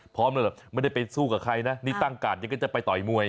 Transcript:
พร้อมแล้วแบบไม่ได้ไปสู้กับใครนะนี่ตั้งกาดยังก็จะไปต่อยมวย